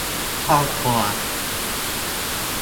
ครอบครัว